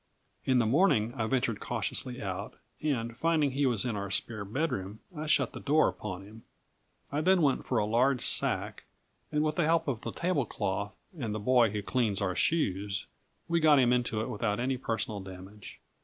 In the morning I ventured cautiously out, and finding he was in our spare bedroom, I shut the door upon him. I then went for a large sack, and with the help of the table cloth, and the boy who cleans our shoes, we got him into it without any personal damage.